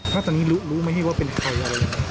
แล้วตอนนี้รู้ไม่ได้ว่าเป็นใครอะไรยังไง